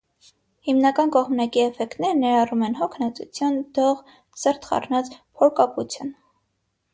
Հիմնական կողմնակի էֆեկտները ներառում են՝ հոգնածություն, դող, սրտխառնոց, փորկապություն։